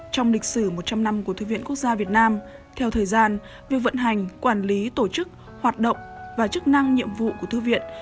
trong lịch sử một trăm linh năm của thư viện quốc gia việt nam theo thời gian việc vận hành quản lý tổ chức hoạt động và chức năng nhiệm vụ của thư viện